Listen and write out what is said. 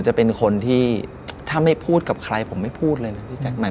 จะเป็นคนที่ถ้าไม่พูดกับใครผมไม่พูดเลยนะพี่แจ๊ค